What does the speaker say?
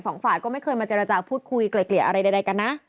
สองฝ่ายก็ไม่เคยมาเจรจาพูดคุยไกลเกลี่ยอะไรใดกันนะ